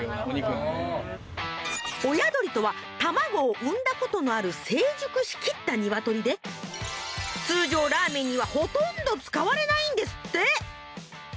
親鶏とは卵を産んだことのある成熟しきったニワトリで通常ラーメンにはほとんど使われないんですって。